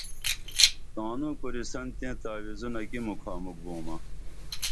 تانوں کوریسن تیں تعویزنامہ کی مُکھا مُکھ بومہ